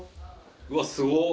うわっすごっ！